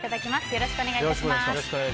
よろしくお願いします。